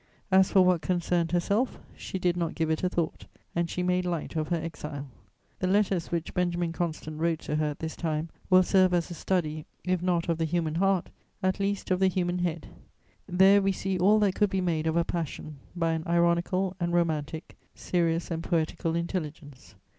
As for what concerned herself, she did not give it a thought and she made light of her exile. The letters which Benjamin Constant wrote to her at this time will serve as a study, if not of the human heart, at least of the human head: there we see all that could be made of a passion by an ironical and romantic, serious and poetical intelligence.